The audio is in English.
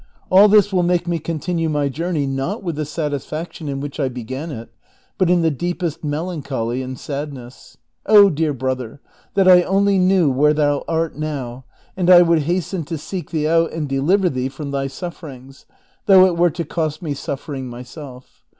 All this will make me continue my jour ney, not with the satisfaction in which I began it, but in the deepest melancholy and sadness. Oh dear brother ! that I only knew where thou art now, and I would hasten to seek thee out and deliver thee from thy sufferings, though it were to cost me suffering myself